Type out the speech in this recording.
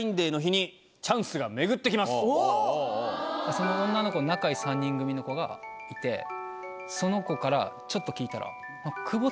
その女の子の仲いい３人組の子がいてその子からちょっと聞いたら。